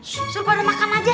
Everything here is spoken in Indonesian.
suruh pada makan aja